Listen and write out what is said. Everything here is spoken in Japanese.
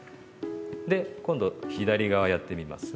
で今度左側やってみます。